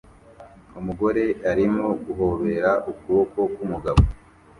Umugore arimo guhobera ukuboko k'umugabo